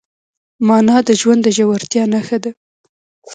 مانا د ژوند د ژورتیا نښه ده.